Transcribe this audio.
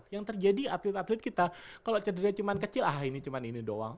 yang terjadi atlet atlet kita kalau cederanya cuma kecil ah ini cuma ini doang